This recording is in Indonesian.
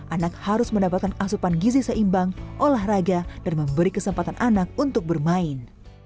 anak harus mendapatkan asupan gizi seimbang olahraga dan memberi kesempatan anak untuk bermain